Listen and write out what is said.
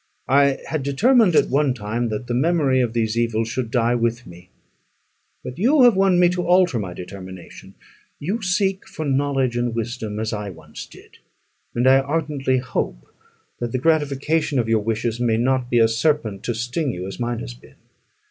I had determined, at one time, that the memory of these evils should die with me; but you have won me to alter my determination. You seek for knowledge and wisdom, as I once did; and I ardently hope that the gratification of your wishes may not be a serpent to sting you, as mine has been.